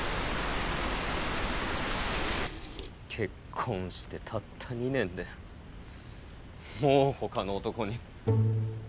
結婚してたった２年でもうほかの男に。